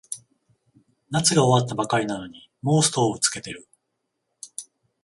夏が終わったばかりなのにもうストーブつけてる